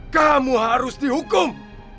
kamu harus dihukum